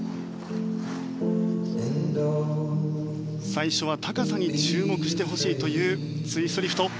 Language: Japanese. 最初は、高さに注目してほしいというツイストリフト。